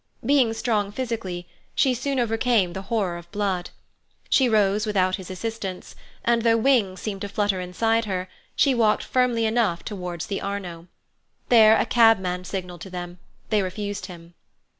Being strong physically, she soon overcame the horror of blood. She rose without his assistance, and though wings seemed to flutter inside her, she walked firmly enough towards the Arno. There a cabman signalled to them; they refused him.